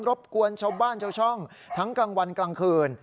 บกวนชาวบ้านชาวช่องทั้งกลางวันกลางคืน